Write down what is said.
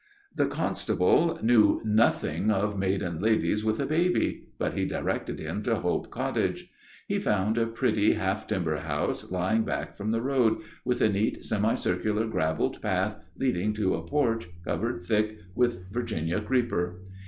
The constable knew nothing of maiden ladies with a baby, but he directed him to Hope Cottage. He found a pretty half timber house lying back from the road, with a neat semi circular gravelled path leading to a porch covered thick with Virginia creeper.